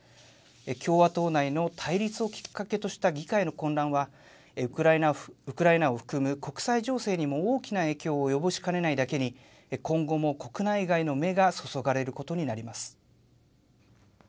共和党内の対立をきっかけとした議会の混乱は、ウクライナを含む国際情勢にも大きな影響を及ぼしかねないだけに、今後も国内外の目が注がれることになります。